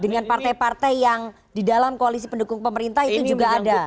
dengan partai partai yang di dalam koalisi pendukung pemerintah itu juga ada